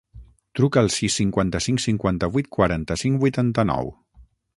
Truca al sis, cinquanta-cinc, cinquanta-vuit, quaranta-cinc, vuitanta-nou.